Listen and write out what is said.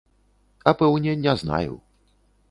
А пэўне не знаю.